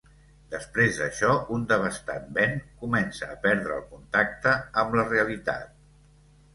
Després d'això, un devastat Ben comença a perdre el contacte amb la realitat.